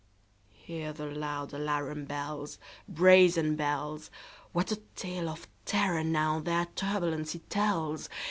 Hear the loud alarum bells, Brazen bells! What a tale of terror, now, their turbulency tells!